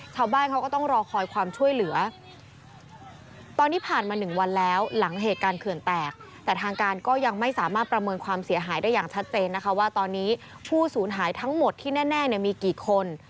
ชาวบ้านเขาก็ต้องรอคอยความช่วยเหลือตอนนี้ผ่านมา๑วันแล้วหลังเหตุการณ์เขื่อนแตกแต่ทางการก็ยังไม่สามารถประเมินความเสียหายได้อย่างชัดเจนนะคะว่าตอนนี้ผู้สูญหายทั้งหมดที่แน่เนี่ยมีกี่คน